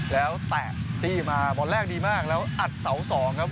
แล้วแตะจี้มาบอลแรกดีมากแล้วอัดเสาสองครับ